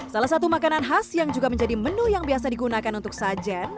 salah satu makanan khas yang juga menjadi menu yang biasa digunakan untuk sajen